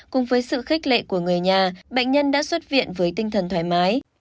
cùng với sự khích lệ của người nhà bệnh nhân đã xuất viện với tinh thần thoải mái